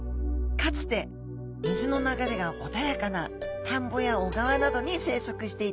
かつて水の流れが穏やかな田んぼや小川などに生息していたメダカちゃん。